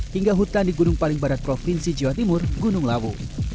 hingga hutan di gunung paling barat provinsi jawa timur gunung lawu